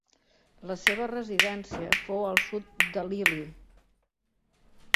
La seva residència fou al sud de l'Ili.